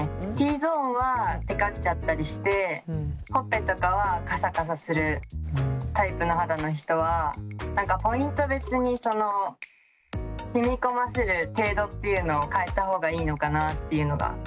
Ｔゾーンはテカっちゃったりしてほっぺとかはカサカサするタイプの肌の人はポイント別に染み込ませる程度っていうのを変えた方がいいのかなっていうのが。